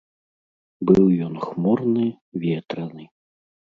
Быў ён хмурны, ветраны.